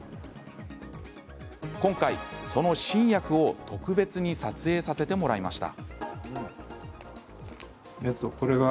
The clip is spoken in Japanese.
今回、その新薬を特別に撮影させてもらいました。